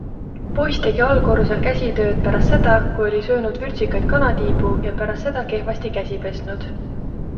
Poiss tegi allkorrusel käsitööd pärast seda, kui oli söönud vürtsikaid kanatiibu ja pärast seda kehvasti käsi pesnud.